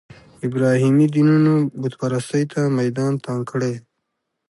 ابراهیمي دینونو بوت پرستۍ ته میدان تنګ کړی.